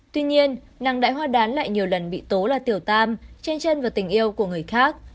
tuy nhiên nàng đại hoa đán lại nhiều lần bị tố là tiểu tam chen chân vào tình yêu của người khác